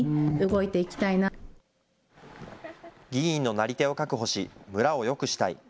なり手を確保し、村をよくしたい。